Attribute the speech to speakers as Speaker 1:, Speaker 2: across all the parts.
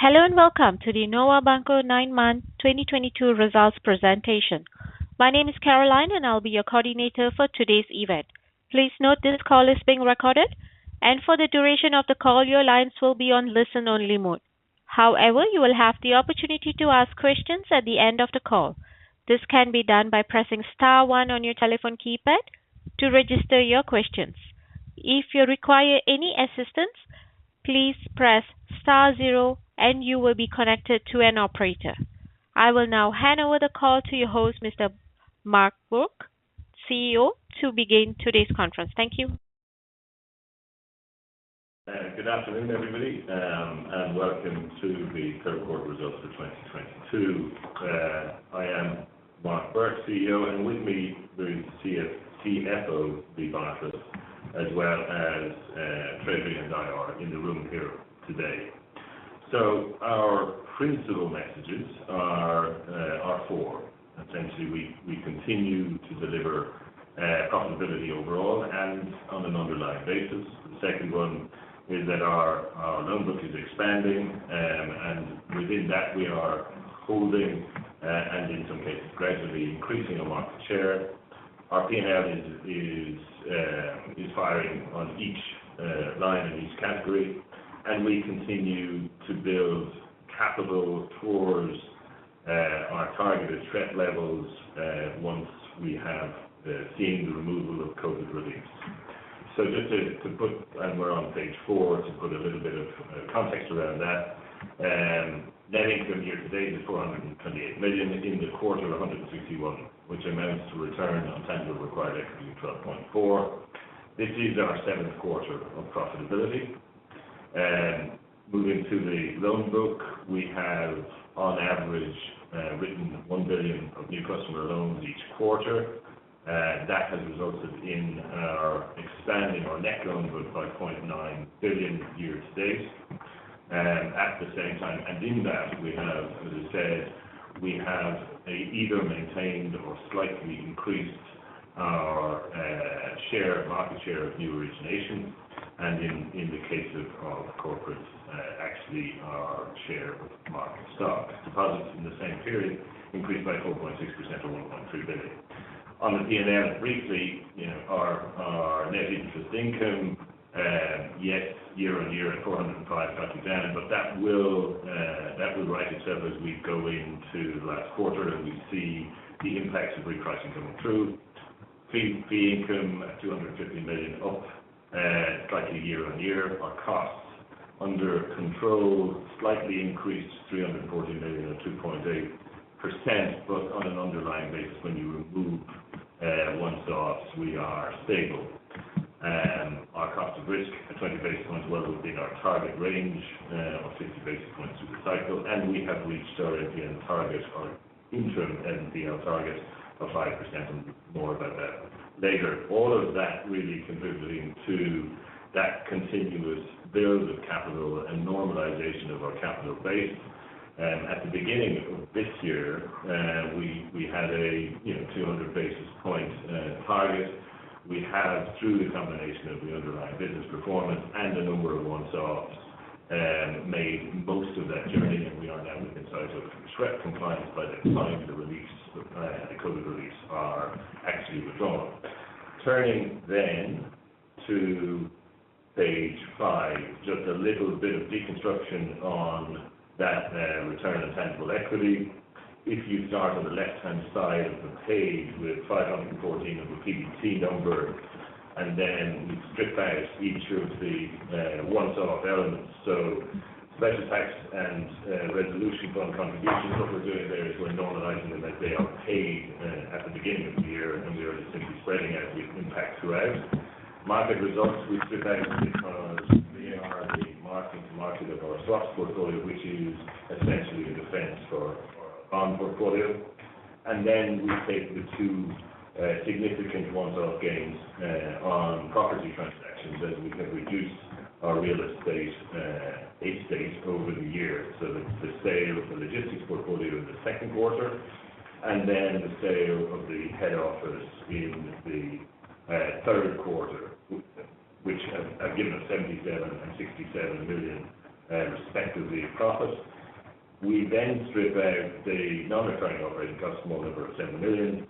Speaker 1: Hello and welcome to the Novo Banco Nine-month 2022 Results Presentation. My name is Caroline, and I'll be your coordinator for today's event. Please note this call is being recorded. For the duration of the call, your lines will be on listen-only mode. However, you will have the opportunity to ask questions at the end of the call. This can be done by pressing star one on your telephone keypad to register your questions. If you require any assistance, please press star zero, and you will be connected to an operator. I will now hand over the call to your host, Mr. Mark Bourke, CEO, to begin today's conference. Thank you.
Speaker 2: Good afternoon, everybody, and welcome to the third quarter results of 2022. I am Mark Bourke, CEO, and with me the CFO, Leigh Bartlett, as well as Treasury and IR in the room here today. Our principal messages are four. Essentially, we continue to deliver profitability overall and on an underlying basis. The second one is that our loan book is expanding, and within that, we are holding, and in some cases gradually increasing our market share. Our P&L is firing on each line in each category, and we continue to build capital towards our targeted SREP levels, once we have seen the removal of COVID release. We're on page four to put a little bit of context around that. Net income year to date is 428 million. In the quarter, 161 million, which amounts to return on tangible required equity of 12.4%. This is our seventh quarter of profitability. Moving to the loan book. We have on average written 1 billion of new customer loans each quarter. That has resulted in our expanding our net loan book by 0.9 billion year to date. At the same time, as I said, we have either maintained or slightly increased our market share of new originations. In the case of corporate, actually our share of market stock deposits in the same period increased by 4.6% to 1.2 billion. On the P&L briefly, you know, our net interest income yet year-on-year at 405 million going down. That will right itself as we go into the last quarter, and we see the impacts of repricing coming through. Fee income at 250 million up slightly year-on-year. Our costs under control slightly increased 340 million at 2.8%, but on an underlying basis when you remove one-offs, we are stable. Our cost of risk at 20 basis points well within our target range of 60 basis points through the cycle, and we have reached our NPL target, our interim NPL target of 5%, and more about that later. All of that really contributing to that continuous build of capital and normalization of our capital base. At the beginning of this year, we had, you know, 200 basis points target. We have through the combination of the underlying business performance and a number of one-offs, made most of that journey. We are now within sight of SREP compliance by the time the COVID releases are actually withdrawn. Turning then to page five, just a little bit of deconstruction on that, return on tangible equity. If you start on the left-hand side of the page with 514 of the PPOP number, and then we strip out each of the one-off elements. Special tax and resolution fund contributions. What we're doing there is we're normalizing them like they are paid at the beginning of the year, and we are simply spreading out the impact throughout. Market results we strip out because they are the marking to market of our swaps portfolio, which is essentially a defense for our bond portfolio. We take the two significant one-off gains on property transactions as we have reduced our real estate estate over the year. The sale of the logistics portfolio in the second quarter, and then the sale of the head office in the third quarter, which have given us 77 million and 67 million, respectively, in profit. We then strip out the non-recurring operating costs of more than 7 million,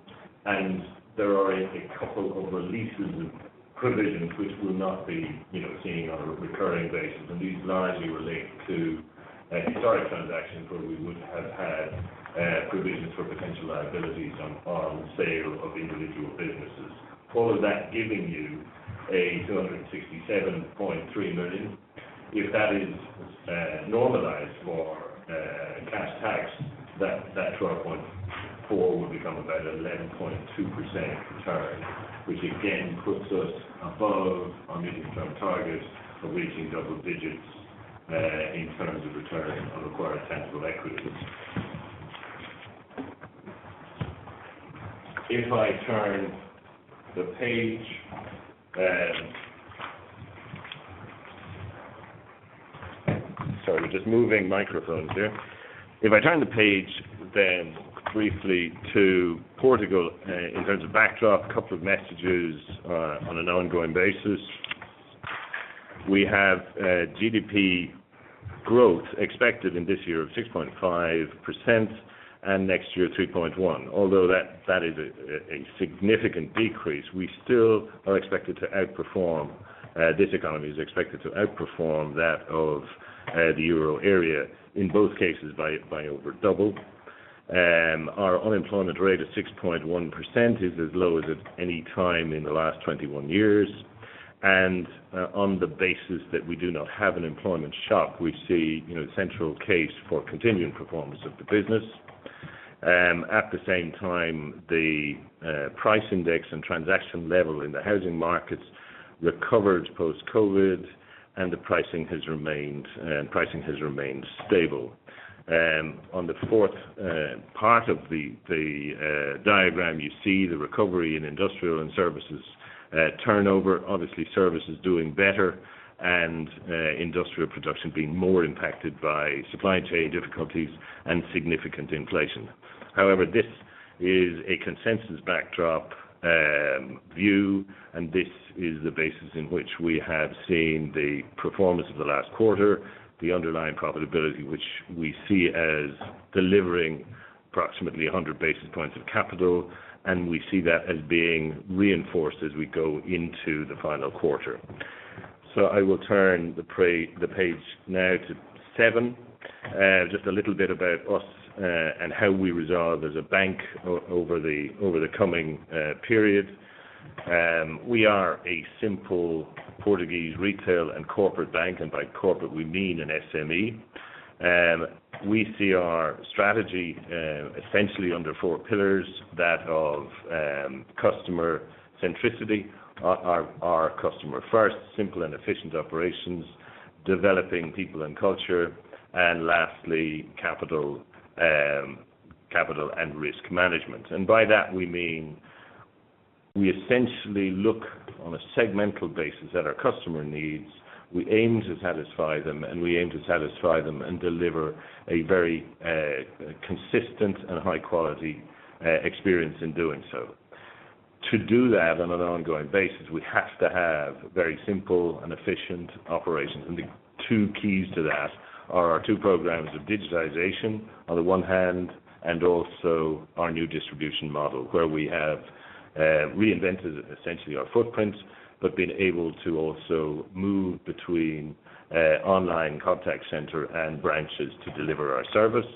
Speaker 2: and there are a couple of releases of provisions which will not be, you know, seen on a recurring basis. These largely relate to historic transactions where we would have had provisions for potential liabilities on sale of individual businesses. All of that giving you 267.3 million. If that is normalized for cash tax, that 12.4 would become about 11.2% return, which again puts us above our medium-term target of reaching double-digits in terms of return on required tangible equity. If I turn the page, sorry, we're just moving microphones here. If I turn the page then briefly to Portugal, in terms of backdrop, couple of messages on an ongoing basis. We have GDP growth expected in this year of 6.5% and next year 3.1%. Although that is a significant decrease, we still are expected to outperform, this economy is expected to outperform that of the euro area, in both cases by over double. Our unemployment rate of 6.1% is as low as at any time in the last 21 years, and on the basis that we do not have an employment shock, we see, you know, central case for continuing performance of the business. At the same time, the price index and transaction level in the housing markets recovered post-COVID and the pricing has remained stable. On the fourth part of the diagram, you see the recovery in industrial and services turnover. Obviously, service is doing better and industrial production being more impacted by supply chain difficulties and significant inflation. However, this is a consensus backdrop, view, and this is the basis in which we have seen the performance of the last quarter, the underlying profitability, which we see as delivering approximately 100 basis points of capital, and we see that as being reinforced as we go into the final quarter. I will turn the page now to seven. Just a little bit about us, and how we evolve as a bank over the coming period. We are a simple Portuguese retail and corporate bank, and by corporate, we mean an SME. We see our strategy essentially under four pillars, that of customer centricity. Our customer first, simple and efficient operations, developing people and culture, and lastly, capital and risk management. By that, we mean we essentially look on a segmental basis at our customer needs. We aim to satisfy them and deliver a very consistent and high quality experience in doing so. To do that on an ongoing basis, we have to have very simple and efficient operations. The two keys to that are our two programs of digitization on the one hand, and also our new distribution model, where we have reinvented essentially our footprint, but been able to also move between online contact center and branches to deliver our service.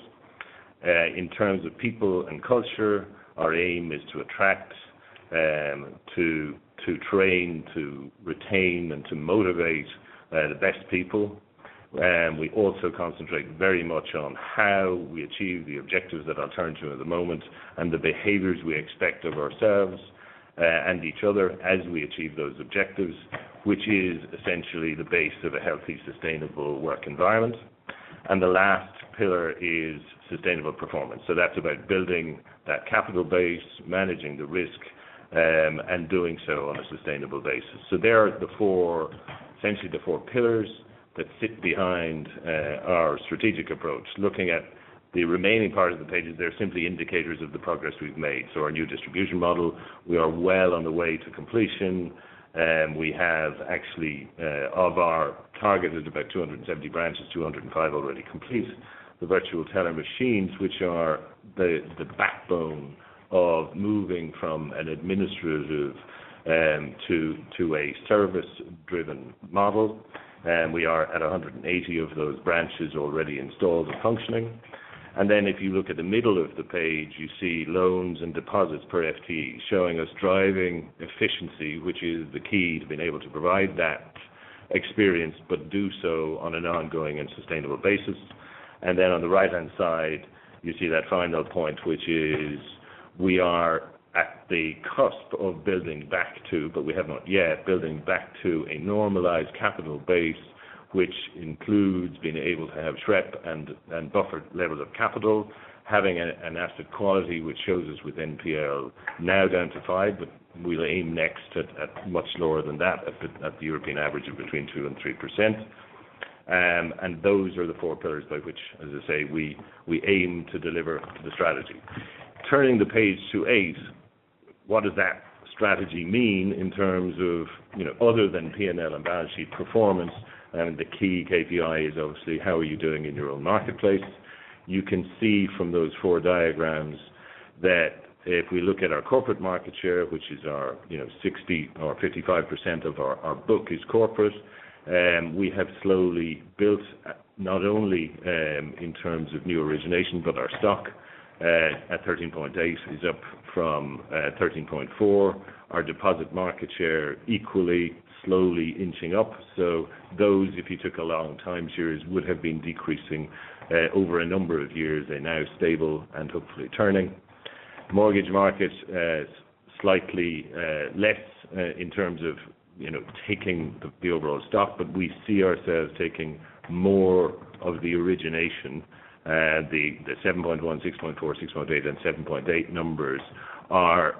Speaker 2: In terms of people and culture, our aim is to attract, to train, to retain, and to motivate the best people. We also concentrate very much on how we achieve the objectives that I'll turn to in a moment and the behaviors we expect of ourselves, and each other as we achieve those objectives, which is essentially the base of a healthy, sustainable work environment. The last pillar is sustainable performance. That's about building that capital base, managing the risk, and doing so on a sustainable basis. There are the four, essentially the four pillars that sit behind our strategic approach. Looking at the remaining part of the pages, they're simply indicators of the progress we've made. Our new distribution model, we are well on the way to completion, we have actually of our targeted about 270 branches, 205 already complete. The virtual teller machines, which are the backbone of moving from an administrative to a service driven model. We are at 180 of those branches already installed and functioning. If you look at the middle of the page, you see loans and deposits per FTE showing us driving efficiency, which is the key to being able to provide that experience but do so on an ongoing and sustainable basis. Then on the right-hand side, you see that final point, which is we are at the cusp of building back to, but we have not yet, building back to a normalized capital base, which includes being able to have SREP and buffered levels of capital, having an asset quality which shows us with NPL now down to 5%, but we'll aim next at much lower than that, at the European average of between 2% and 3%. Those are the four pillars by which, as I say, we aim to deliver the strategy. Turning the page to eight, what does that strategy mean in terms of, you know, other than P&L and balance sheet performance, and the key KPI is obviously how are you doing in your own marketplace. You can see from those four diagrams that if we look at our corporate market share, which is, you know, 60% or 55% of our book is corporate, we have slowly built not only in terms of new origination, but our stock at 13.8% is up from 13.4%. Our deposit market share equally slowly inching up. Those, if you took a long time series, would have been decreasing over a number of years. They're now stable and hopefully turning. Mortgage market slightly less in terms of, you know, taking the overall stock, but we see ourselves taking more of the origination. The 7.1%, 6.4%, 6.8%, and 7.8% numbers are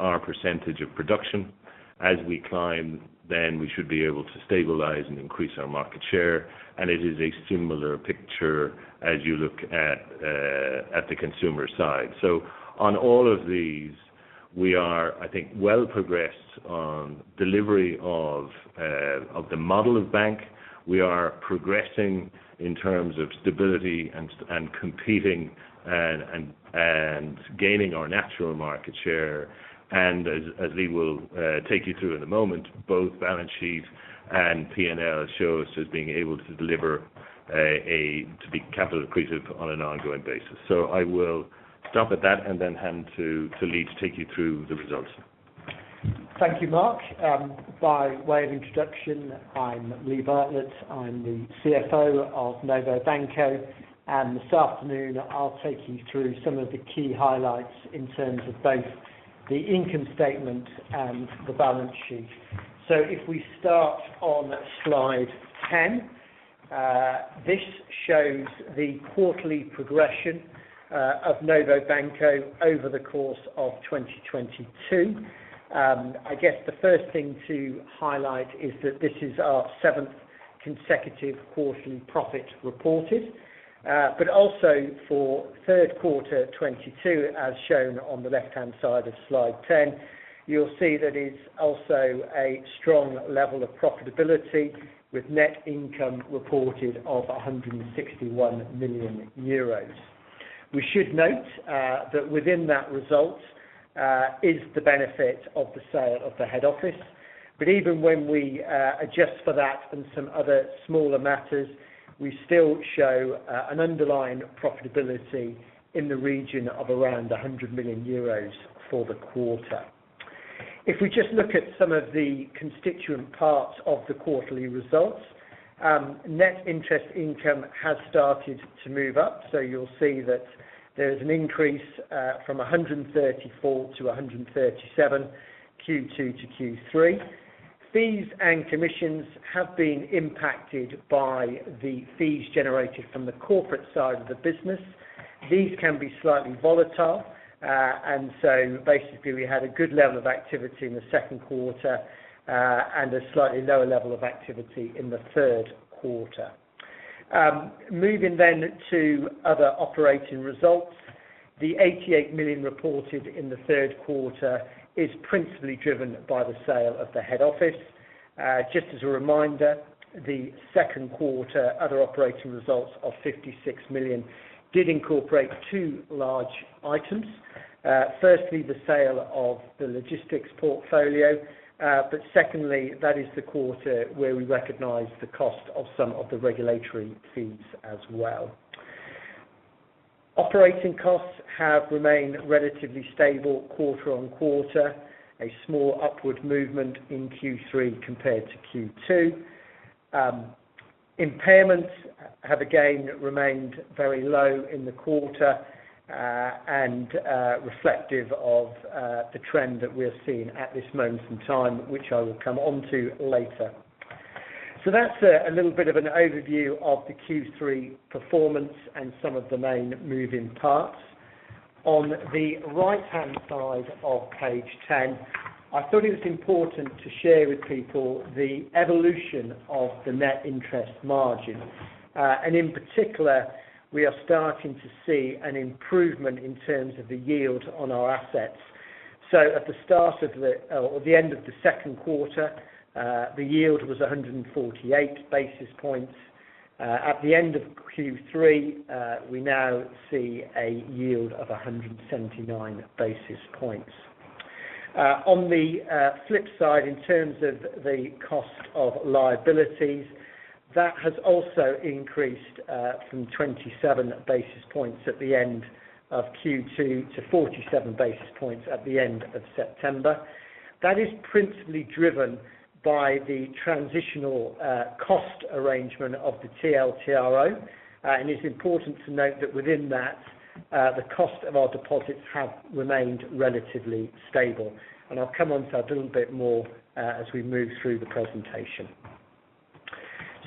Speaker 2: our percentage of production. As we climb, then we should be able to stabilize and increase our market share. It is a similar picture as you look at the consumer side. On all of these, we are, I think, well progressed on delivery of the model of bank. We are progressing in terms of stability and competing and gaining our natural market share. As Leigh will take you through in a moment, both balance sheet and P&L shows us being able to deliver a, to be capital accretive on an ongoing basis. I will stop at that and then hand to Leigh to take you through the results.
Speaker 3: Thank you, Mark. By way of introduction, I'm Leigh Bartlett. I'm the CFO of novobanco. This afternoon, I'll take you through some of the key highlights in terms of both the income statement and the balance sheet. If we start on slide ten, this shows the quarterly progression of novobanco over the course of 2022. I guess the first thing to highlight is that this is our seventh consecutive quarterly profit reported. Also for third quarter 2022, as shown on the left-hand side of slide ten, you'll see that it's also a strong level of profitability with net income reported of 161 million euros. We should note that within that result is the benefit of the sale of the head office. Even when we adjust for that and some other smaller matters, we still show an underlying profitability in the region of around 100 million euros for the quarter. If we just look at some of the constituent parts of the quarterly results, net interest income has started to move up. You'll see that there is an increase from 134-137, Q2-Q3. Fees and commissions have been impacted by the fees generated from the corporate side of the business. These can be slightly volatile. Basically, we had a good level of activity in the second quarter and a slightly lower level of activity in the third quarter. Moving to other operating results. The 88 million reported in the third quarter is principally driven by the sale of the head office. Just as a reminder, the second quarter other operating results of 56 million did incorporate two large items. Firstly, the sale of the logistics portfolio, but secondly, that is the quarter where we recognize the cost of some of the regulatory fees as well. Operating costs have remained relatively stable quarter-on-quarter, a small upward movement in Q3 compared to Q2. Impairments have, again, remained very low in the quarter, and reflective of the trend that we're seeing at this moment in time, which I will come onto later. That's a little bit of an overview of the Q3 performance and some of the main moving parts. On the right-hand side of page ten, I thought it was important to share with people the evolution of the net interest margin. In particular, we are starting to see an improvement in terms of the yield on our assets. At the end of the second quarter, the yield was 148 basis points. At the end of Q3, we now see a yield of 179 basis points. On the flip side, in terms of the cost of liabilities, that has also increased from 27 basis points at the end of Q2 to 47 basis points at the end of September. That is principally driven by the transitional cost arrangement of the TLTRO. It's important to note that within that, the cost of our deposits have remained relatively stable. I'll come onto that a little bit more, as we move through the presentation.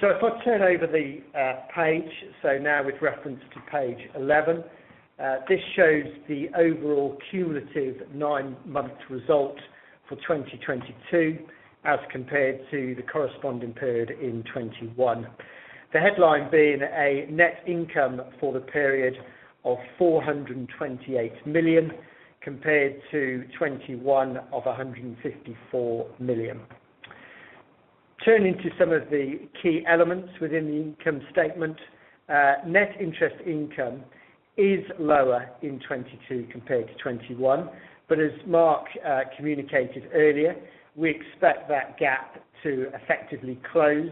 Speaker 3: If I turn over the page, so now with reference to page 11, this shows the overall cumulative nine-month result for 2022 as compared to the corresponding period in 2021. The headline being a net income for the period of 428 million, compared to 2021 of 154 million. Turning to some of the key elements within the income statement, net interest income is lower in 2022 compared to 2021. As Mark communicated earlier, we expect that gap to effectively close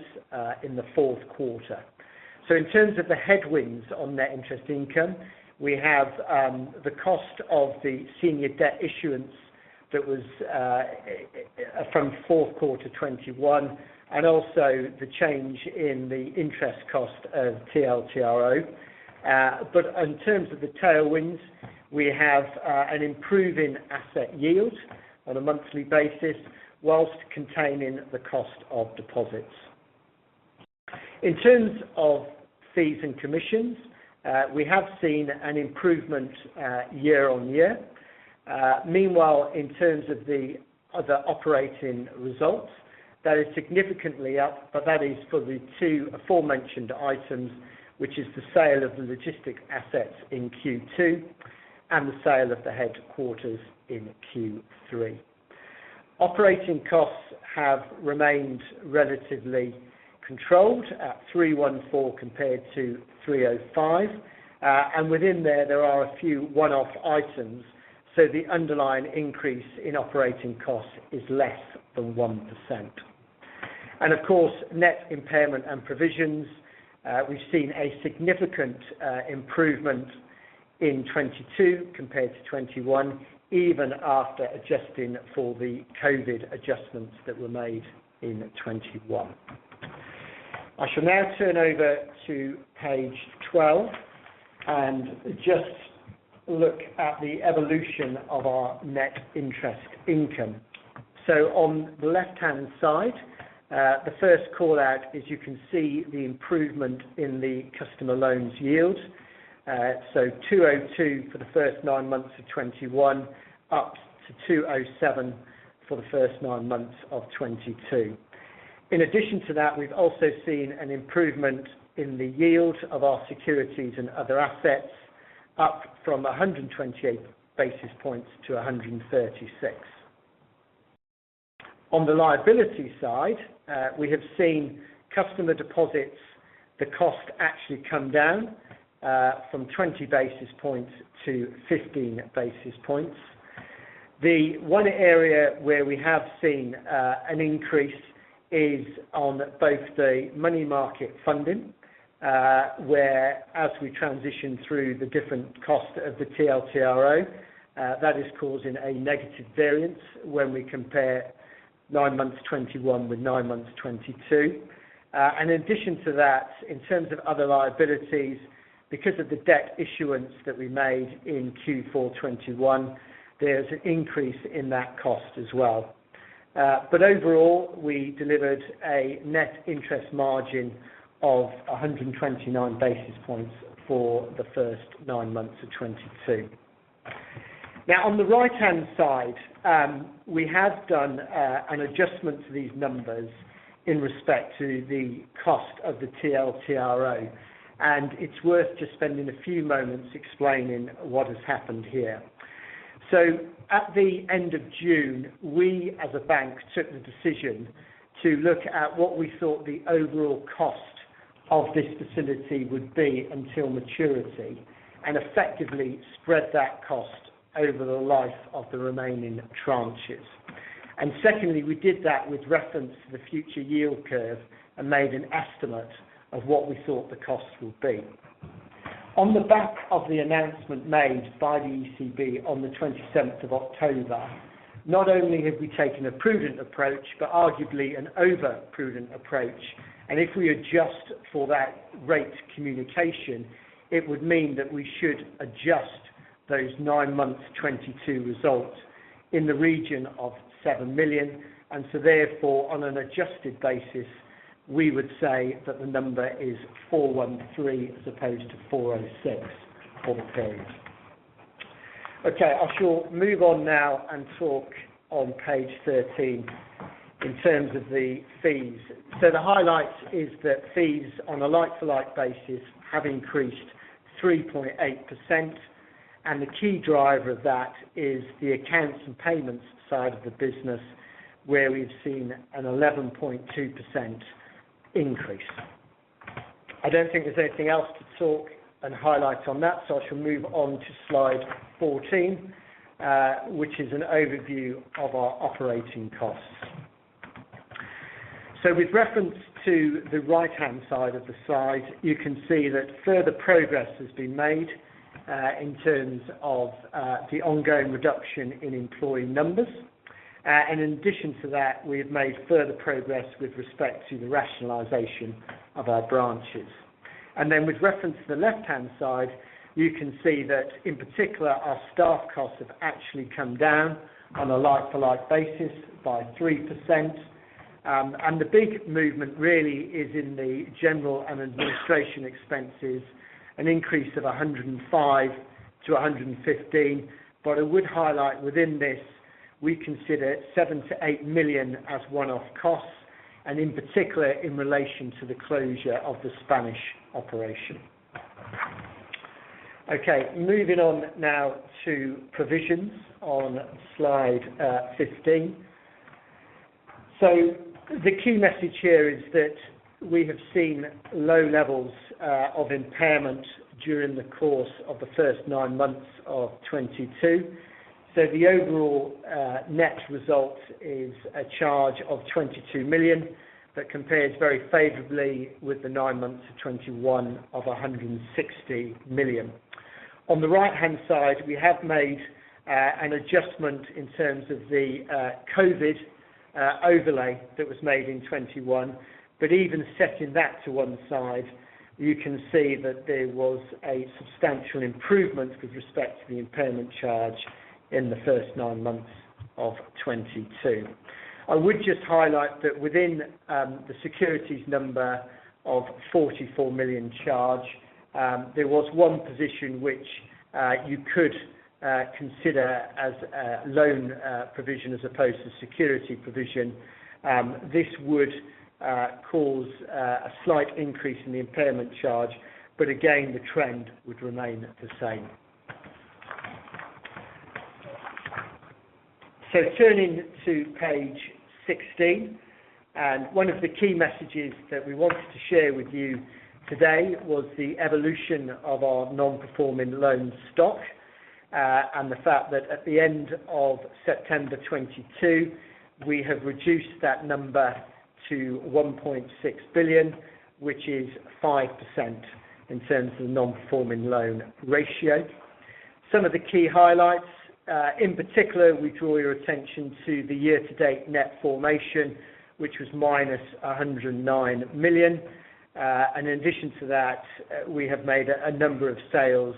Speaker 3: in the fourth quarter. In terms of the headwinds on net interest income, we have the cost of the senior debt issuance that was from fourth quarter 2021, and also the change in the interest cost of TLTRO. In terms of the tailwinds, we have an improving asset yield on a monthly basis whilst containing the cost of deposits. In terms of fees and commissions, we have seen an improvement year-on-year. Meanwhile, in terms of the other operating results, that is significantly up, but that is for the two aforementioned items, which is the sale of the logistics assets in Q2 and the sale of the headquarters in Q3. Operating costs have remained relatively controlled at 314 compared to 305. Within that, there are a few one-off items, so the underlying increase in operating costs is less than 1%. And of course, net impairment and provisions, we've seen a significant improvement in 2022 compared to 2021, even after adjusting for the COVID adjustments that were made in 2021. I shall now turn over to page 12 and just look at the evolution of our net interest income. On the left-hand side, the first call-out is you can see the improvement in the customer loans yield. So 2.02 for the first nine months of 2021, up to 2.07 for the first nine months of 2022. In addition to that, we've also seen an improvement in the yield of our securities and other assets, up from 128 basis points to 136. On the liability side, we have seen customer deposits, the cost actually come down, from 20 basis points to 15 basis points. The one area where we have seen an increase is on both the money market funding, where as we transition through the different cost of the TLTRO, that is causing a negative variance when we compare nine months 2021 with nine months 2022. In addition to that, in terms of other liabilities, because of the debt issuance that we made in Q4 2021, there's an increase in that cost as well. Overall, we delivered a net interest margin of 129 basis points for the first nine months of 2022. Now on the right-hand side, we have done an adjustment to these numbers in respect to the cost of the TLTRO, and it's worth just spending a few moments explaining what has happened here. At the end of June, we, as a bank, took the decision to look at what we thought the overall cost of this facility would be until maturity, and effectively spread that cost over the life of the remaining tranches. Secondly, we did that with reference to the future yield curve and made an estimate of what we thought the cost would be. On the back of the announcement made by the ECB on the twenty-seventh of October, not only have we taken a prudent approach, but arguably an over-prudent approach. If we adjust for that rate communication, it would mean that we should adjust those nine-months 2022 results in the region of 7 million. Therefore, on an adjusted basis, we would say that the number is 413 as opposed to 406 for the period. Okay, I shall move on now and talk on page 13 in terms of the fees. The highlight is that fees on a like-for-like basis have increased 3.8%, and the key driver of that is the accounts and payments side of the business, where we've seen an 11.2% increase. I don't think there's anything else to talk and highlight on that. I shall move on to slide 14, which is an overview of our operating costs. With reference to the right-hand side of the slide, you can see that further progress has been made in terms of the ongoing reduction in employee numbers. In addition to that, we have made further progress with respect to the rationalization of our branches. With reference to the left-hand side, you can see that in particular, our staff costs have actually come down on a like-for-like basis by 3%. The big movement really is in the general and administrative expenses, an increase of 105-115. I would highlight within this, we consider 7 million-8 million as one-off costs, and in particular in relation to the closure of the Spanish operation. Okay, moving on now to provisions on slide 15. The key message here is that we have seen low levels of impairment during the course of the first nine months of 2022. The overall net result is a charge of 22 million. That compares very favorably with the nine months of 2021 of 160 million. On the right-hand side, we have made an adjustment in terms of the COVID overlay that was made in 2021. Even setting that to one side, you can see that there was a substantial improvement with respect to the impairment charge in the first nine months of 2022. I would just highlight that within the securities number of 44 million charge, there was one position which you could consider as a loan provision as opposed to security provision. This would cause a slight increase in the impairment charge, but again, the trend would remain the same. Turning to page 16, one of the key messages that we wanted to share with you today was the evolution of our non-performing loan stock, and the fact that at the end of September 2022, we have reduced that number to 1.6 billion, which is 5% in terms of the non-performing loan ratio. Some of the key highlights, in particular, we draw your attention to the year-to-date net formation, which was -109 million. In addition to that, we have made a number of sales,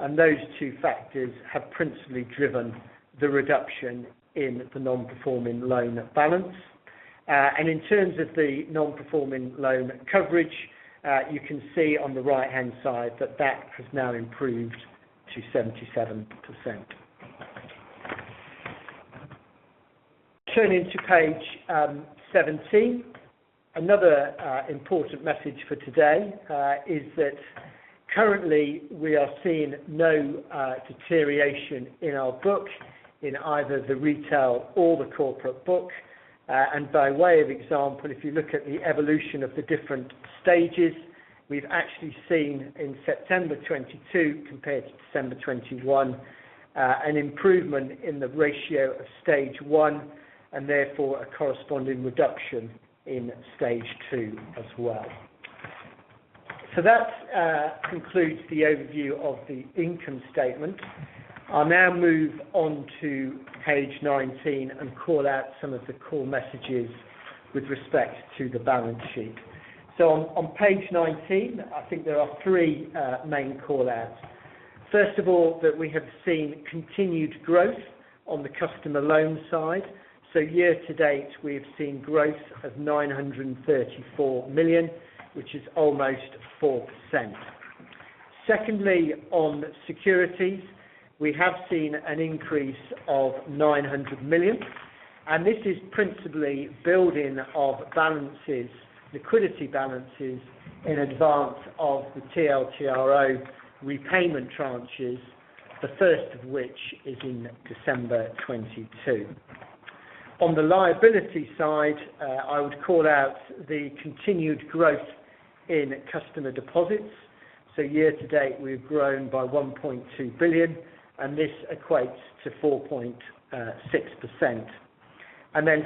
Speaker 3: and those two factors have principally driven the reduction in the non-performing loan balance. In terms of the non-performing loan coverage, you can see on the right-hand side that that has now improved to 77%. Turning to page 17. Another important message for today is that currently we are seeing no deterioration in our book in either the retail or the corporate book. By way of example, if you look at the evolution of the different stages, we've actually seen in September 2022 compared to December 2021 an improvement in the ratio of stage one and therefore a corresponding reduction in stage two as well. That concludes the overview of the income statement. I'll now move on to page 19 and call out some of the core messages with respect to the balance sheet. On page 19, I think there are three main callouts. First of all, that we have seen continued growth on the customer loan side. Year to date, we have seen growth of 934 million, which is almost 4%. Secondly, on securities, we have seen an increase of 900 million, and this is principally building of balances, liquidity balances in advance of the TLTRO repayment tranches, the first of which is in December 2022. On the liability side, I would call out the continued growth in customer deposits. Year to date, we've grown by 1.2 billion, and this equates to 4.6%.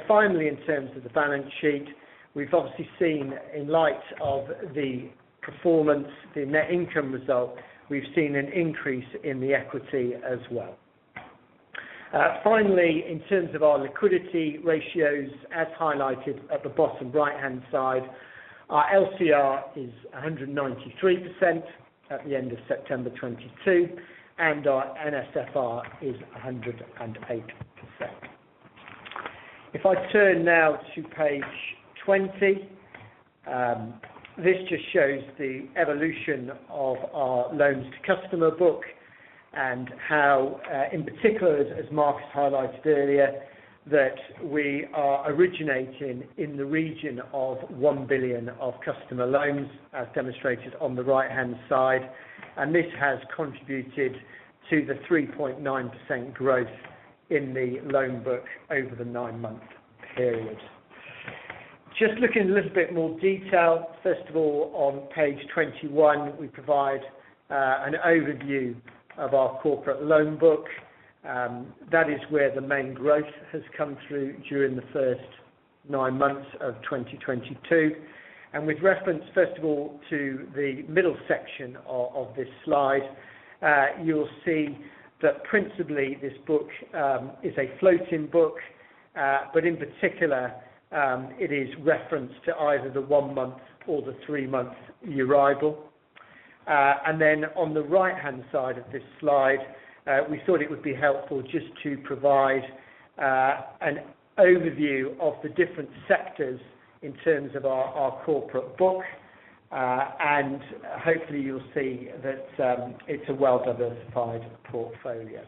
Speaker 3: Finally, in terms of the balance sheet, we've obviously seen in light of the performance, the net income result, we've seen an increase in the equity as well. Finally, in terms of our liquidity ratios, as highlighted at the bottom right-hand side, our LCR is 193% at the end of September 2022, and our NSFR is 108%. If I turn now to page twenty, this just shows the evolution of our loans to customer book and how, in particular, as Mark Bourke highlighted earlier, that we are originating in the region of 1 billion of customer loans, as demonstrated on the right-hand side. This has contributed to the 3.9% growth in the loan book over the nine-month period. Just looking in a little bit more detail, first of all, on page 21, we provide an overview of our corporate loan book. That is where the main growth has come through during the first nine-months of 2022. With reference, first of all, to the middle section of this slide, you'll see that principally this book is a floating book, but in particular, it is referenced to either the one-month or the three-month EURIBOR. On the right-hand side of this slide, we thought it would be helpful just to provide an overview of the different sectors in terms of our corporate book. Hopefully you'll see that it's a well-diversified portfolio.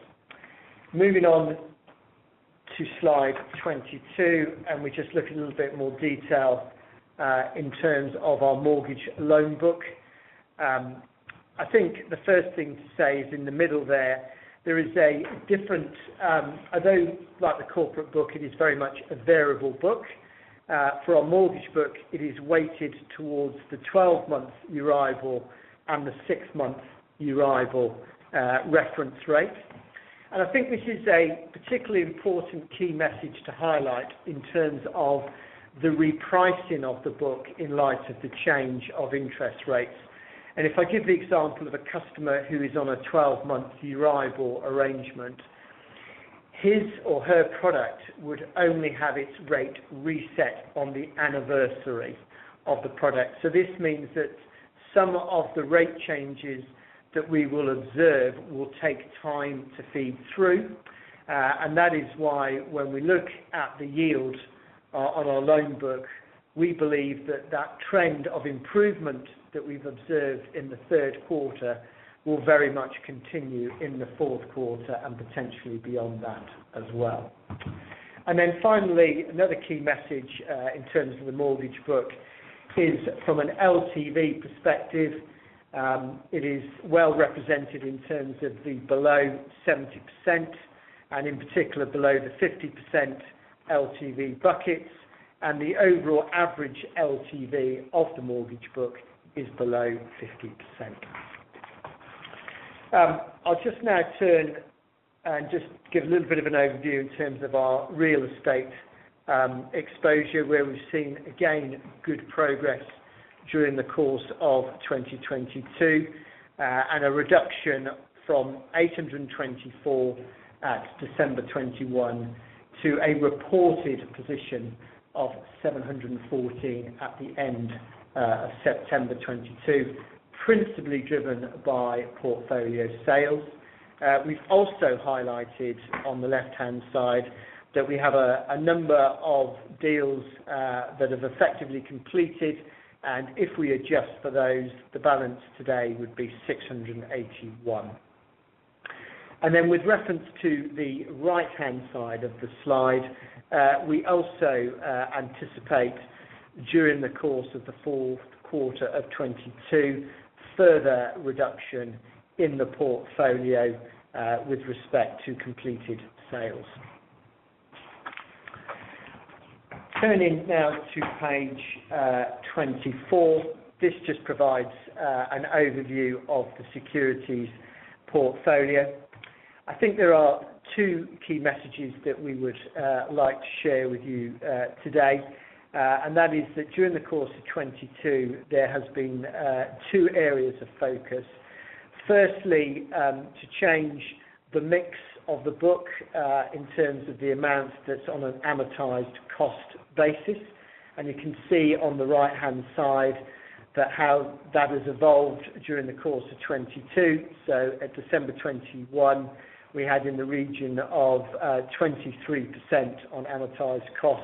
Speaker 3: Moving on to slide 22, we just look in a little bit more detail in terms of our mortgage loan book. I think the first thing to say is, in the middle there, although like the corporate book, it is very much a variable book. For our mortgage book, it is weighted towards the 12-month EURIBOR and the six-month EURIBOR, reference rate. I think this is a particularly important key message to highlight in terms of the repricing of the book in light of the change of interest rates. If I give the example of a customer who is on a 12-month EURIBOR arrangement. His or her product would only have its rate reset on the anniversary of the product. This means that some of the rate changes that we will observe will take time to feed through. That is why when we look at the yield on our loan book, we believe that that trend of improvement that we've observed in the third quarter will very much continue in the fourth quarter and potentially beyond that as well. Finally, another key message in terms of the mortgage book is from an LTV perspective, it is well represented in terms of the below 70% and in particular below the 50% LTV buckets. The overall average LTV of the mortgage book is below 50%. I'll just now turn and just give a little bit of an overview in terms of our real estate exposure, where we've seen again good progress during the course of 2022, and a reduction from 824 at December 2021 to a reported position of 714 at the end of September 2022, principally driven by portfolio sales. We've also highlighted on the left-hand side that we have a number of deals that have effectively completed, and if we adjust for those, the balance today would be 681. With reference to the right-hand side of the slide, we also anticipate during the course of the fourth quarter of 2022, further reduction in the portfolio with respect to completed sales. Turning now to page 24. This just provides an overview of the securities portfolio. I think there are two key messages that we would like to share with you today. That is that during the course of 2022, there has been two areas of focus. Firstly, to change the mix of the book in terms of the amount that's on an amortized cost basis. You can see on the right-hand side that how that has evolved during the course of 2022. At December 2021, we had in the region of 23% on amortized cost.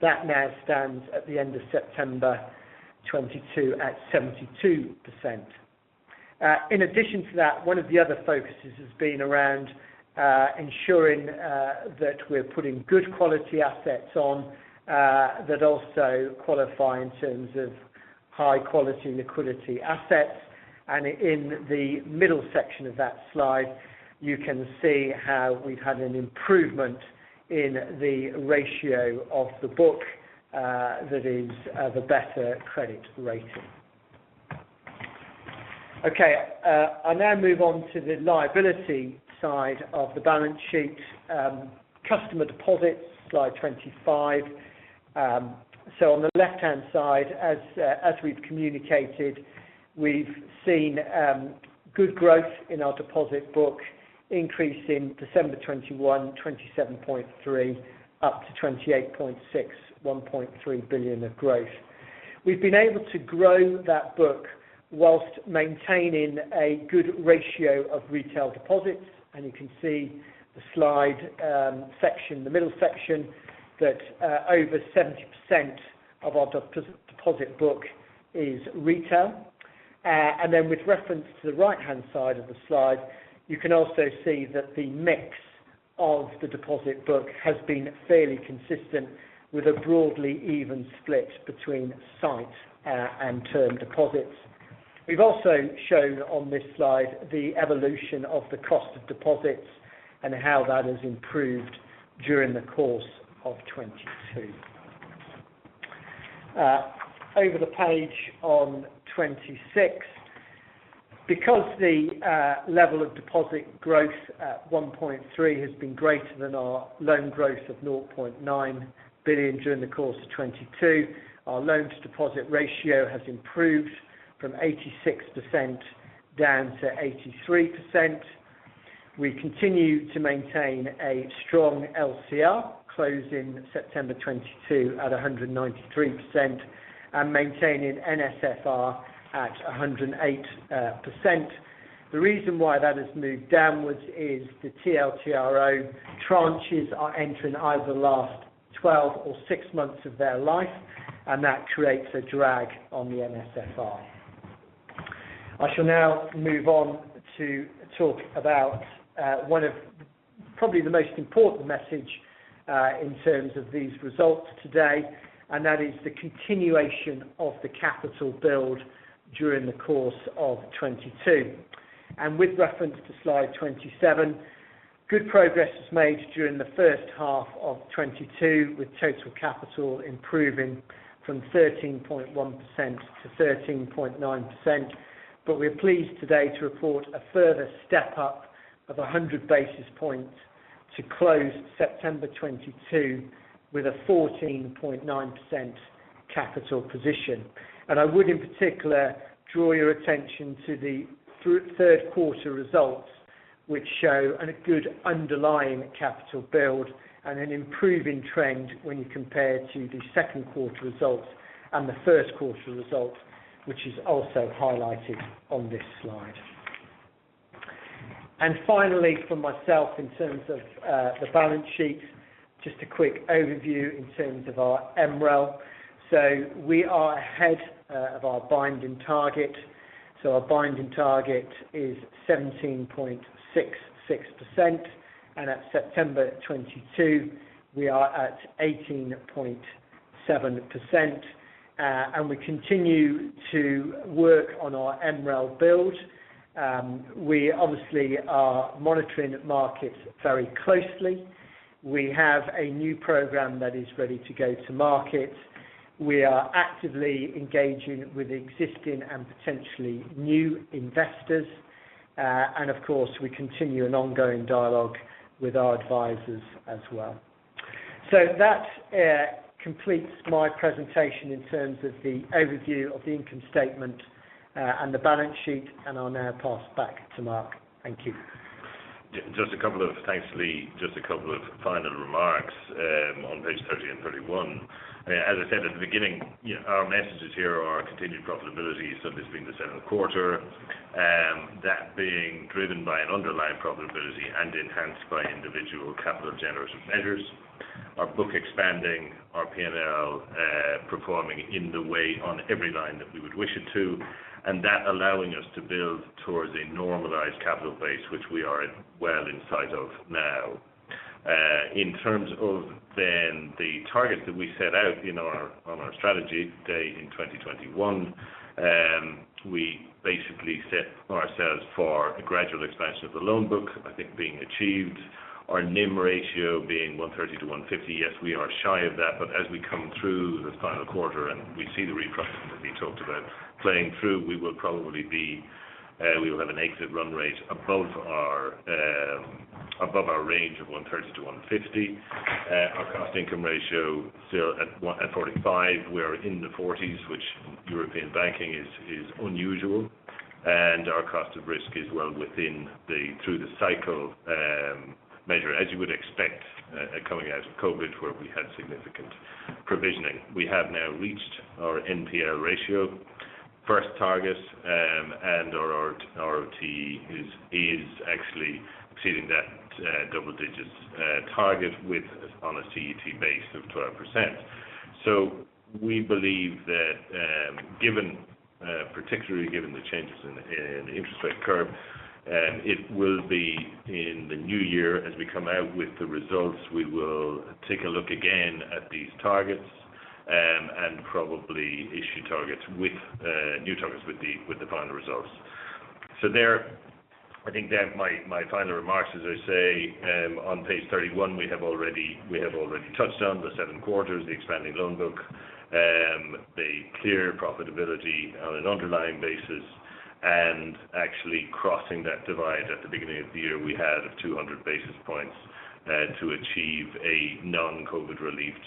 Speaker 3: That now stands at the end of September 2022 at 72%. In addition to that, one of the other focuses has been around ensuring that we're putting good quality assets on that also qualify in terms of high-quality liquidity assets. In the middle section of that slide, you can see how we've had an improvement in the ratio of the book that is of a better credit rating. Okay. I now move on to the liability side of the balance sheet. Customer deposits, slide 25. So on the left-hand side, as we've communicated, we've seen good growth in our deposit book increase in December 2021, 27.3 billion up to 28.6 billion, 1.3 billion of growth. We've been able to grow that book whilst maintaining a good ratio of retail deposits. You can see the slide section, the middle section, over 70% of our deposit book is retail. With reference to the right-hand side of the slide, you can also see that the mix of the deposit book has been fairly consistent with a broadly even split between sight and term deposits. We've also shown on this slide the evolution of the cost of deposits and how that has improved during the course of 2022. Over the page on 26. Because the level of deposit growth at 1.3 billion has been greater than our loan growth of 0.9 billion during the course of 2022, our loan to deposit ratio has improved from 86% down to 83%. We continue to maintain a strong LCR, closing September 2022 at 193% and maintaining NSFR at 108%. The reason why that has moved downwards is the TLTRO tranches are entering either last twelve or six- months of their life, and that creates a drag on the NSFR. I shall now move on to talk about one of probably the most important message in terms of these results today, and that is the continuation of the capital build during the course of 2022. With reference to slide 27, good progress was made during the first half of 2022, with total capital improving from 13.1%-13.9%. We are pleased today to report a further step up of 100 basis points to close September 2022 with a 14.9% capital position. I would in particular draw your attention to the third quarter results, which show a good underlying capital build and an improving trend when you compare to the second quarter results and the first quarter results, which is also highlighted on this slide. Finally, from myself, in terms of the balance sheet, just a quick overview in terms of our MREL. We are ahead of our binding target. Our binding target is 17.66%, and at September 2022 we are at 18.7%. We continue to work on our MREL build. We obviously are monitoring markets very closely. We have a new program that is ready to go to market. We are actively engaging with existing and potentially new investors. Of course, we continue an ongoing dialogue with our advisors as well. That completes my presentation in terms of the overview of the income statement and the balance sheet, and I'll now pass back to Mark. Thank you.
Speaker 2: Thanks, Leigh. Just a couple of final remarks on page 30 and 31. As I said at the beginning, our message here is continued profitability. This being the seventh quarter, that being driven by an underlying profitability and enhanced by individual capital generative measures. Our book expanding our P&L, performing in the way on every line that we would wish it to, and that allowing us to build towards a normalized capital base, which we are well in sight of now. In terms of the targets that we set out in our, on our strategy day in 2021, we basically set ourselves for a gradual expansion of the loan book, I think being achieved. Our NIM ratio being 1.30%-1.50%. Yes, we are shy of that, but as we come through this final quarter and we see the repricing that Leigh talked about playing through, we will probably be, we will have an exit run rate above our range of 130-150. Our cost income ratio still at 45%. We're in the 40s, which European banking is unusual, and our cost of risk is well within the through the cycle measure, as you would expect, coming out of COVID, where we had significant provisioning. We have now reached our NPL ratio first target, and our ROE is actually exceeding that double-digits target with a CET base of 12%. We believe that, given, particularly given the changes in the interest rate curve, it will be in the new year as we come out with the results, we will take a look again at these targets, and probably issue new targets with the final results. I think that my final remarks, as I say, on page 31, we have already touched on the seven quarters, the expanding loan book, the clear profitability on an underlying basis. Actually crossing that divide at the beginning of the year, we had 200 basis points to achieve a non-COVID relieved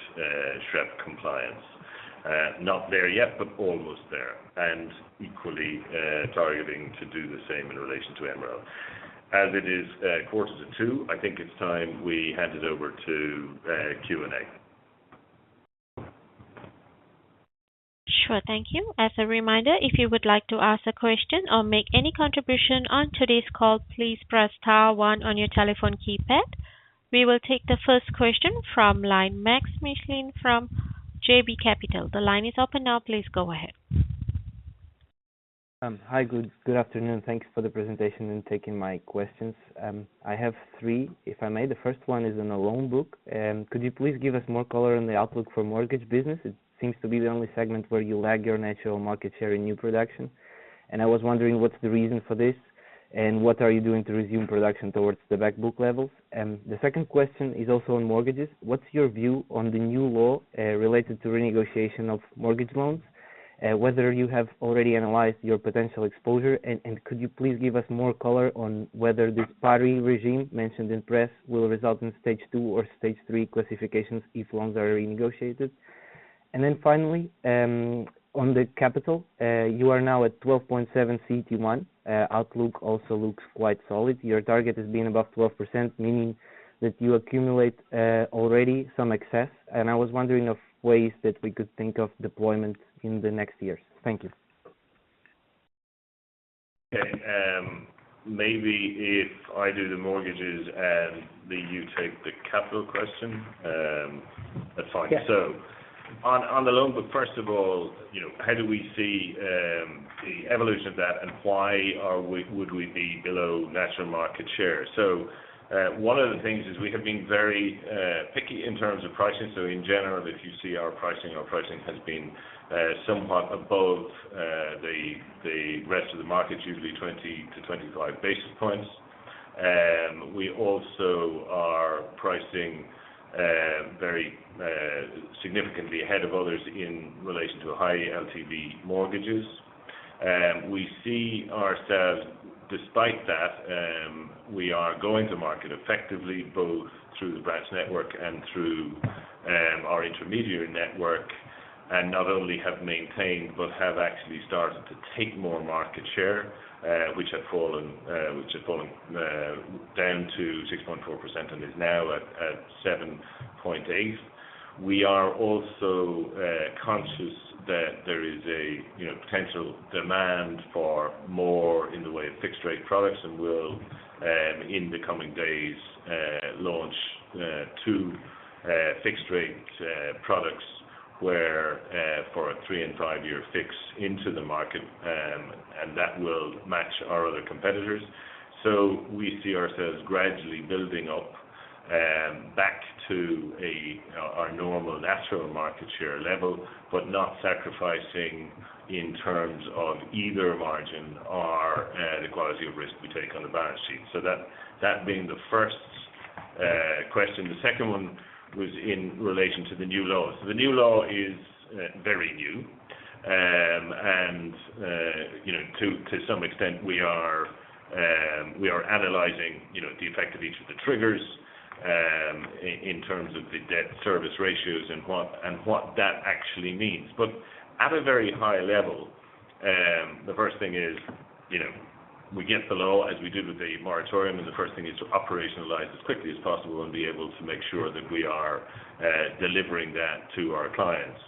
Speaker 2: SREP compliance. Not there yet, but almost there. Equally, targeting to do the same in relation to MREL. As it is 1:45 P.M., I think it's time we hand it over to Q&A.
Speaker 1: Sure. Thank you. As a reminder, if you would like to ask a question or make any contribution on today's call, please press star one on your telephone keypad. We will take the first question from line Maksym Mishyn from JB Capital. The line is open now, please go ahead.
Speaker 4: Hi, good afternoon. Thanks for the presentation and taking my questions. I have three, if I may. The first one is in the loan book. Could you please give us more color on the outlook for mortgage business? It seems to be the only segment where you lag your natural market share in new production. I was wondering, what's the reason for this, and what are you doing to resume production towards the back book levels? The second question is also on mortgages. What's your view on the new law related to renegotiation of mortgage loans? Whether you have already analyzed your potential exposure, and could you please give us more color on whether this forbearance regime mentioned in press will result in stage two or stage three classifications if loans are renegotiated? Then finally, on the capital, you are now at 12.7 CET1. Outlook also looks quite solid. Your target has been above 12%, meaning that you accumulate already some excess. I was wondering of ways that we could think of deployment in the next years. Thank you.
Speaker 2: Okay. Maybe if I do the mortgages and Leigh you take the capital question, if that's fine.
Speaker 3: Yeah.
Speaker 2: On the loan book, first of all, you know, how do we see the evolution of that, and why would we be below natural market share? One of the things is we have been very picky in terms of pricing. In general, if you see our pricing, our pricing has been somewhat above the rest of the market, usually 20-25 basis points. We also are pricing very significantly ahead of others in relation to high LTV mortgages. We see ourselves despite that we are going to market effectively both through the branch network and through our intermediary network, and not only have maintained, but have actually started to take more market share, which had fallen down to 6.4% and is now at 7.8%. We are also conscious that there is a you know potential demand for more in the way of fixed rate products, and we'll in the coming days launch two fixed rate products where for a three and five-year fix into the market, and that will match our other competitors. We see ourselves gradually building up back to our normal natural market share level, but not sacrificing in terms of either margin or the quality of risk we take on the balance sheet. That being the first question. The second one was in relation to the new law. The new law is very new. You know, to some extent we are analyzing, you know, the effect of each of the triggers in terms of the debt service ratios and what that actually means. At a very high level, the first thing is, you know, we get the law as we did with the moratorium, and the first thing is to operationalize as quickly as possible and be able to make sure that we are delivering that to our clients.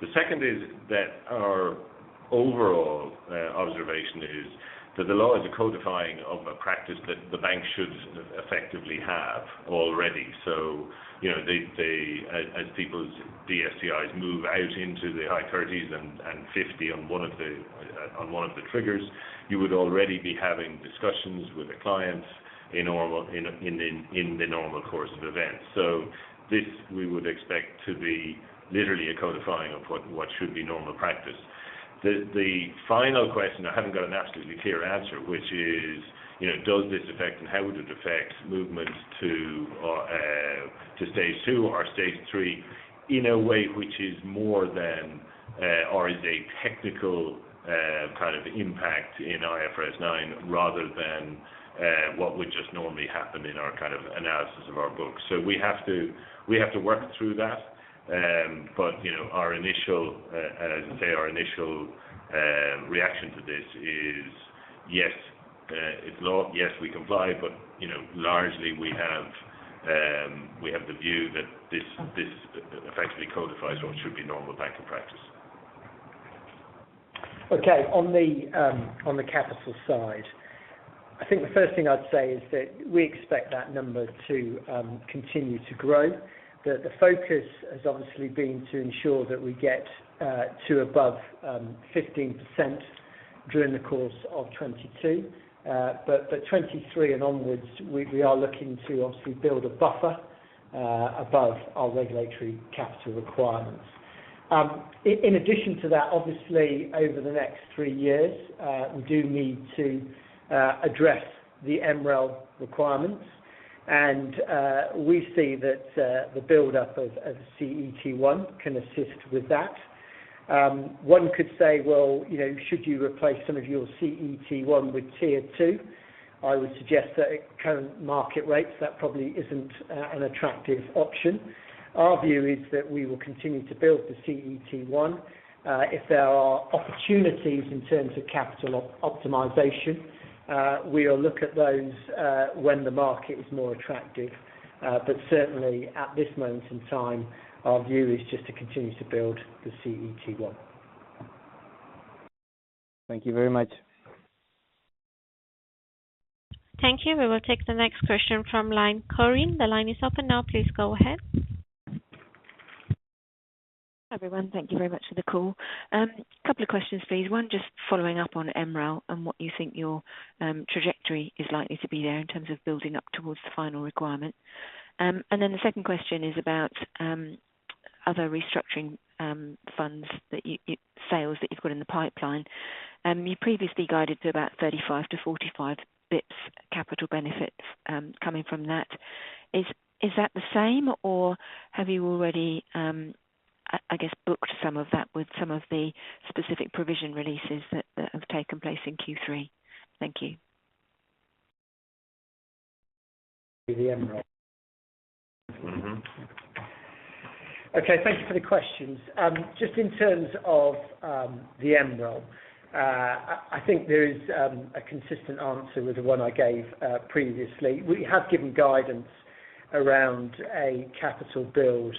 Speaker 2: The second is that our overall observation is that the law is a codifying of a practice that the bank should effectively have already. You know, they, as people's DSCRs move out into the high 30s and 50 on one of the triggers, you would already be having discussions with the clients in the normal course of events. This we would expect to be literally a codifying of what should be normal practice. The final question, I haven't got an absolutely clear answer, which is, you know, does this affect and how would it affect movements to stage two or stage three in a way which is more than, or is a technical, kind of impact in IFRS 9 rather than, what would just normally happen in our kind of analysis of our books. We have to work through that. You know, our initial, as I say, reaction to this is yes, it's law. Yes, we comply. You know, largely we have the view that this effectively codifies what should be normal banking practice.
Speaker 3: Okay. On the capital side, I think the first thing I'd say is that we expect that number to continue to grow. The focus has obviously been to ensure that we get to above 15% during the course of 2022. But 2023 and onwards, we are looking to obviously build a buffer above our regulatory capital requirements. In addition to that, obviously over the next three years, we do need to address the MREL requirements, and we see that the buildup of CET1 can assist with that. One could say, well, you know, should you replace some of your CET1 with Tier 2? I would suggest that at current market rates that probably isn't an attractive option. Our view is that we will continue to build the CET1. If there are opportunities in terms of capital optimization, we'll look at those when the market is more attractive. Certainly at this moment in time, our view is just to continue to build the CET1.
Speaker 2: Thank you very much.
Speaker 1: Thank you. We will take the next question from line Corinne. The line is open now. Please go ahead.
Speaker 5: Everyone, thank you very much for the call. Couple of questions, please. One, just following up on MREL and what you think your trajectory is likely to be there in terms of building up towards the final requirement. The second question is about other restructuring sales that you've got in the pipeline. You previously guided to about 35-45 basis points capital benefits coming from that. Is that the same, or have you already, I guess, booked some of that with some of the specific provision releases that have taken place in Q3? Thank you.
Speaker 3: The MREL.
Speaker 2: Mm-hmm.
Speaker 3: Okay. Thank you for the questions. Just in terms of the MREL, I think there is a consistent answer with the one I gave previously. We have given guidance around a capital build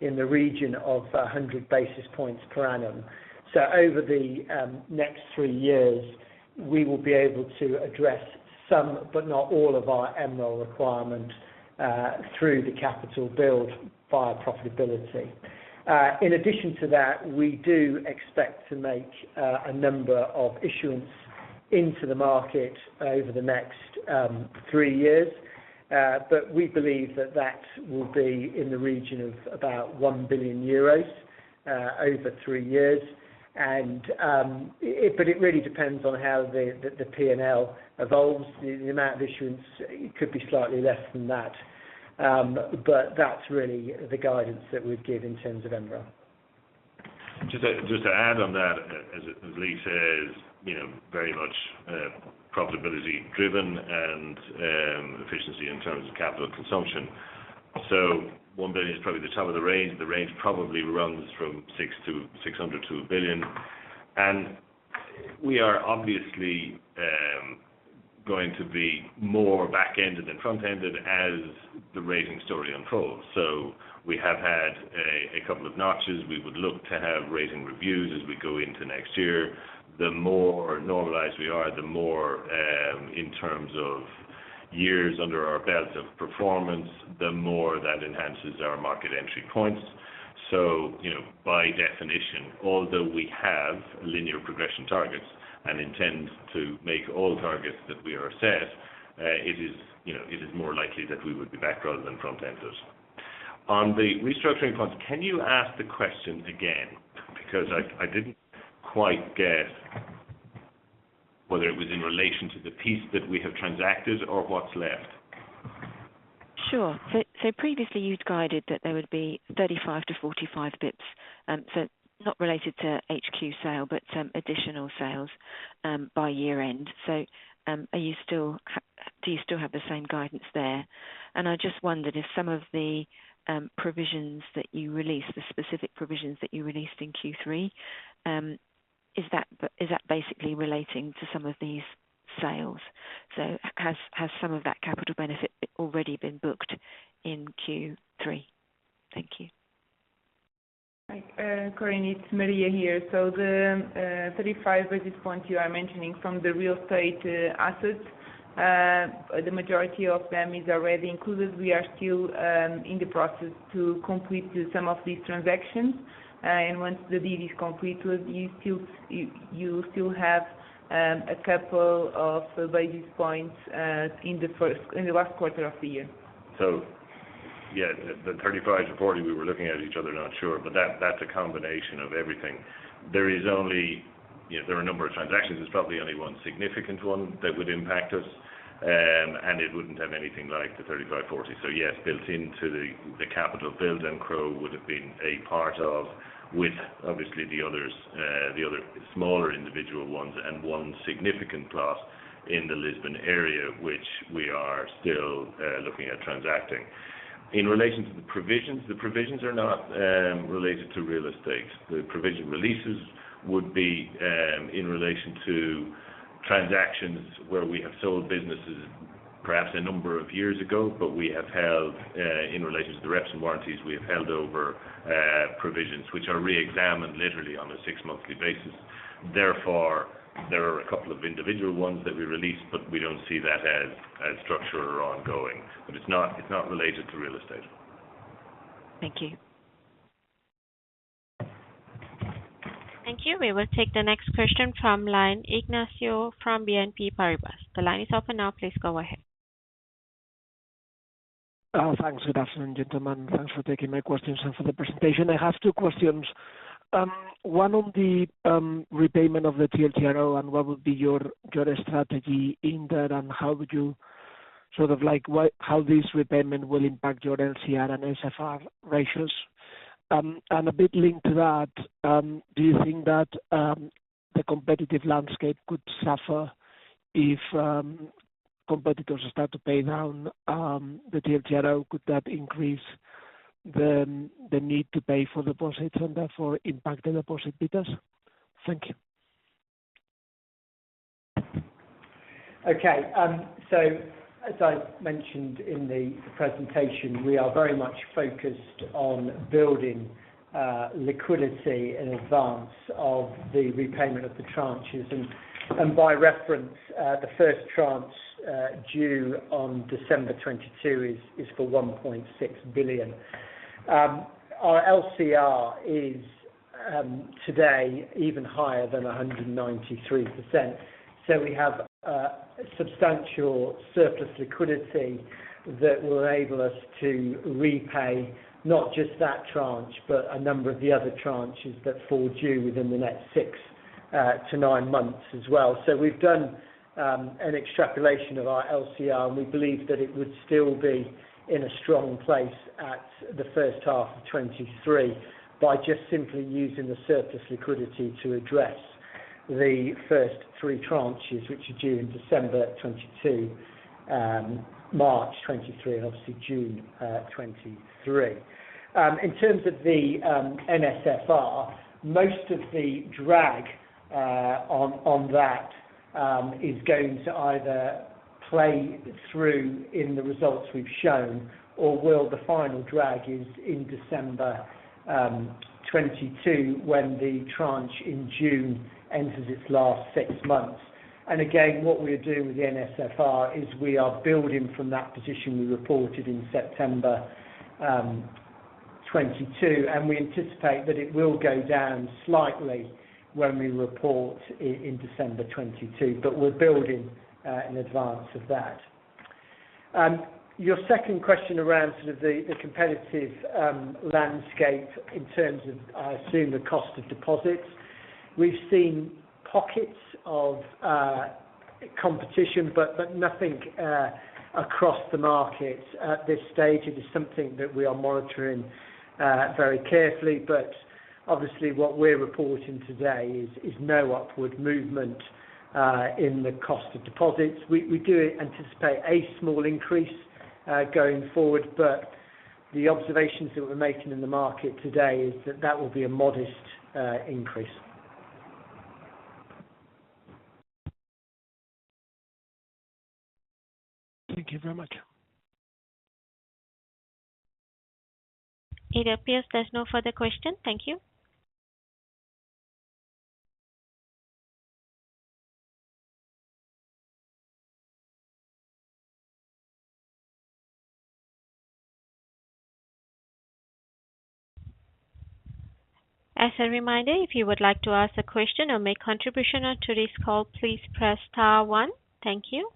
Speaker 3: in the region of 100 basis points per annum. Over the next three years, we will be able to address some but not all of our MREL requirement through the capital build via profitability. In addition to that, we do expect to make a number of issuance into the market over the next three years. We believe that that will be in the region of about 1 billion euros over three years. It really depends on how the P&L evolves. The amount of issuance could be slightly less than that. That's really the guidance that we'd give in terms of MREL.
Speaker 2: Just to add on that, as Leigh says, you know, very much profitability driven and efficiency in terms of capital consumption. 1 billion is probably the top of the range. The range probably runs from 600 million-1 billion. We are obviously going to be more back-ended and front-ended as the rating story unfolds. We have had a couple of notches. We would look to have rating reviews as we go into next year. The more normalized we are, the more in terms of years under our belt of performance, the more that enhances our market entry points. You know, by definition, although we have linear progression targets and intend to make all targets that we are set, it is, you know, more likely that we would be back rather than front-ended. On the restructuring funds, can you ask the question again? Because I didn't quite get whether it was in relation to the piece that we have transacted or what's left.
Speaker 5: Sure. Previously you'd guided that there would be 35-45 basis points, not related to HQ sale, but some additional sales, by year-end. Do you still have the same guidance there? I just wondered if some of the provisions that you released, the specific provisions that you released in Q3, is that basically relating to some of these sales? Has some of that capital benefit already been booked in Q3? Thank you.
Speaker 6: Corinne, it's Maria here. The 35 basis point you are mentioning from the real estate assets, the majority of them is already included. We are still in the process to complete some of these transactions. Once the deal is complete, you still have a couple of basis points in the last quarter of the year.
Speaker 2: Yeah, the 35-40, we were looking at each other, not sure, but that's a combination of everything. You know, there are a number of transactions. There's probably only one significant one that would impact us. And it wouldn't have anything like the 35-40. Yes, built into the capital build and CRO would have been a part of with obviously the others, the other smaller individual ones and one significant class in the Lisbon area, which we are still looking at transacting. In relation to the provisions, the provisions are not related to real estate. The provision releases would be in relation to transactions where we have sold businesses perhaps a number of years ago, but in relation to the reps and warranties, we have held over provisions which are reexamined literally on a six monthly basis. Therefore, there are a couple of individual ones that we released, but we don't see that as structural or ongoing. It's not related to real estate.
Speaker 5: Thank you.
Speaker 1: Thank you. We will take the next question from line, Ignacio from BNP Paribas. The line is open now. Please go ahead.
Speaker 7: Thanks. Good afternoon, gentlemen. Thanks for taking my questions and for the presentation. I have two questions. One on the repayment of the TLTRO, and what would be your strategy in that, and how sort of like this repayment will impact your LCR and NSFR ratios. A bit linked to that, do you think that the competitive landscape could suffer if competitors start to pay down the TLTRO? Could that increase the need to pay for deposits and therefore impact the deposit betas? Thank you.
Speaker 3: Okay. As I mentioned in the presentation, we are very much focused on building liquidity in advance of the repayment of the tranches. By reference, the first tranche due on December 22 is for 1.6 billion. Our LCR is today even higher than 193%. We have substantial surplus liquidity that will enable us to repay not just that tranche, but a number of the other tranches that fall due within the next 6-9 months as well. We've done an extrapolation of our LCR, and we believe that it would still be in a strong place at the first half of 2023 by just simply using the surplus liquidity to address the first three tranches, which are due in December 2022, March 2023, and obviously June 2023. In terms of the NSFR, most of the drag on that is going to either play through in the results we've shown or, well, the final drag is in December 2022 when the tranche in June enters its last six months. Again, what we are doing with the NSFR is we are building from that position we reported in September 2022, and we anticipate that it will go down slightly when we report in December 2022, but we're building in advance of that. Your second question around sort of the competitive landscape in terms of, I assume, the cost of deposits. We've seen pockets of competition, but nothing across the market at this stage. It is something that we are monitoring very carefully, but obviously what we're reporting today is no upward movement in the cost of deposits. We do anticipate a small increase going forward, but the observations that we're making in the market today is that that will be a modest increase.
Speaker 7: Thank you very much.
Speaker 1: It appears there's no further question. Thank you. As a reminder, if you would like to ask a question or make contribution on today's call, please press star one. Thank you.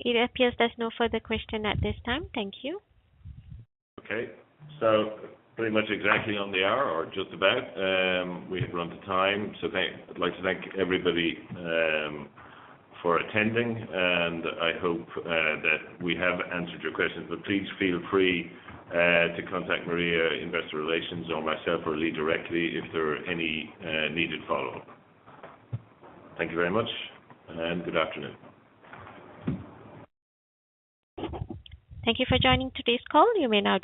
Speaker 1: It appears there's no further question at this time. Thank you.
Speaker 2: Okay. Pretty much exactly on the hour or just about. We have run to time. I'd like to thank everybody for attending, and I hope that we have answered your questions. Please feel free to contact Maria, Investor Relations or myself or Leigh directly if there are any needed follow-up. Thank you very much, and good afternoon.
Speaker 1: Thank you for joining today's call. You may now disconnect.